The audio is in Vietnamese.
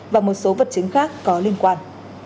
và một số vật chứng khác có liên quan